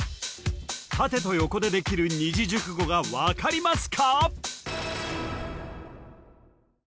縦と横でできる二字熟語が分かりますか？